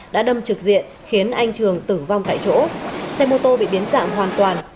đã đâm trực diện khiến anh trường tử vong tại chỗ xe mô tô bị biến dạng hoàn toàn